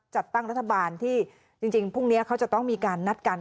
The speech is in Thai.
จัดตั้งรัฐบาลที่จริงพรุ่งนี้เขาจะต้องมีการนัดกัน